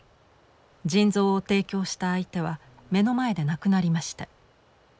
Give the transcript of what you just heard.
腎臓を提供した相手は目の前で亡くなりました。